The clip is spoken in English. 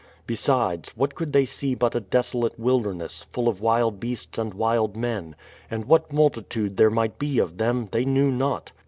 Besides, what could they see but a desolate wilderness, full of wild beasts and wild men ; and what multitude there might be of them they knew not